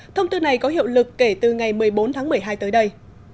thông tư này có hiệu lực kể từ ngày một mươi bốn tháng một mươi hai tới đây